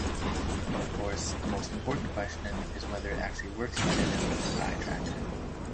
Of course, the most important question is whether it actually works better than the old eye tracker.